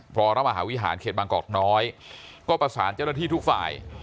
พระมหาวิหารเขตบางกอกน้อยก็ประสานเจ้าหน้าที่ทุกฝ่าย